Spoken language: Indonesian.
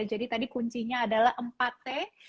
jadi tadi kuncinya adalah empat t